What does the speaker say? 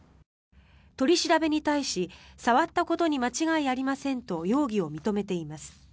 取り調べに対し触ったことに間違いありませんと容疑を認めています。